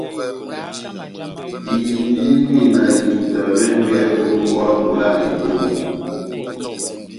Indini na etuta vɛngɛ ó mbówa mola Etomi.